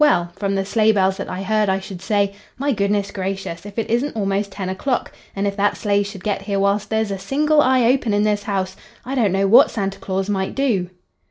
Well, from the sleigh bells that I heard I should say—. My goodness, gracious! If it isn't almost ten o'clock, and if that sleigh should get here whilst there's a single eye open in this house, I don't know what Santa Claus might do!"